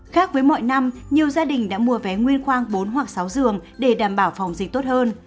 khác với mọi năm nhiều gia đình đã mua vé nguyên khoang bốn hoặc sáu giường để đảm bảo phòng dịch tốt hơn